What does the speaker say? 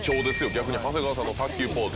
逆に長谷川さんの卓球ポーズ。